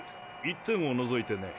一点を除いてね。